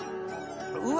うわ！